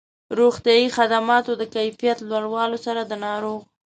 روغتیایي خدماتو د کيفيت لوړولو سره د ناروغ